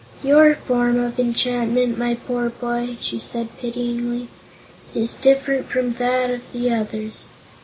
"Your form of enchantment, my poor boy," she said pityingly, "is different from that of the others.